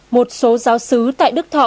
một số giáo sứ tại đức thọ